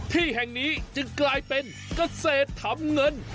ที่แห่งนี้จึงกลายเป็นเกษตรทำเงิน